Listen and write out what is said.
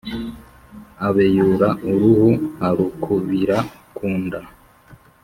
abeyura uruhu a ru kubira ku nda,